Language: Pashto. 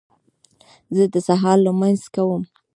زه د سهار لمونځ کوم